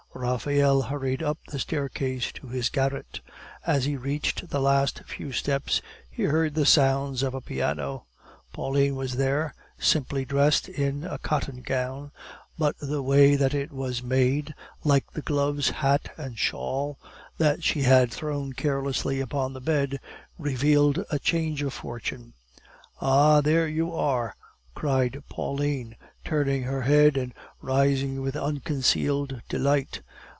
Raphael hurried up the staircase to his garret; as he reached the last few steps he heard the sounds of a piano. Pauline was there, simply dressed in a cotton gown, but the way that it was made, like the gloves, hat, and shawl that she had thrown carelessly upon the bed, revealed a change of fortune. "Ah, there you are!" cried Pauline, turning her head, and rising with unconcealed delight.